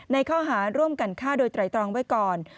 ในข้อหาร่วมกันฆ่าโดยไตรตรองไว้ก่อน